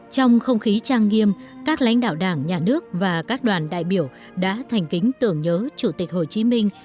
trong không khí trang nghiêm các lãnh đạo đảng nhà nước và các đoàn đại biểu đã thành kính tưởng nhớ chủ tịch hồ chí minh